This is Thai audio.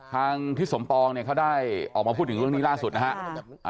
ทางที่สมปองเขาได้ออกมาพูดถึงเรื่องนี้ล่าสุดนะฮะ